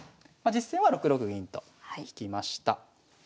まあ実戦は６六銀と引きました。